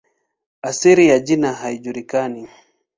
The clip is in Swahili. Asili ya jina haijulikani.